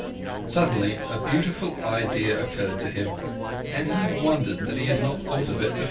Suddenly a beautiful idea occurred to him, and he wondered that he had not thought of it before.